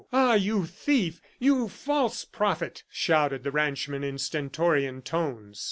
"Ah, you thief, you false prophet!" shouted the ranchman in stentorian tones.